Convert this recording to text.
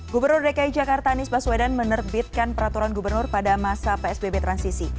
gubernur dki jakarta anies baswedan menerbitkan peraturan gubernur pada masa psbb transisi